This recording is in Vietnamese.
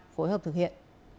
phối hợp thực hiện